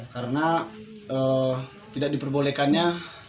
karena tidak diperbolehkannya